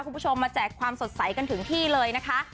คุณผู้ชมมาแจกความสดใสกันถึงที่เลยนะคะ